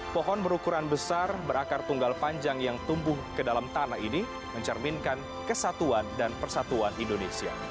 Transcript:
pohon berukuran besar berakar tunggal panjang yang tumbuh ke dalam tanah ini mencerminkan kesatuan dan persatuan indonesia